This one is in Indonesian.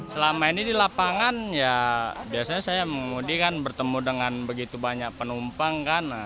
selama ini di lapangan biasanya saya mengundi bertemu dengan begitu banyak penumpang